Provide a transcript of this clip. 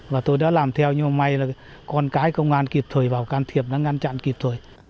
và tôi đã làm theo nhưng mà may là con cái công an kịp thời vào can thiệp nó ngăn chặn kịp thời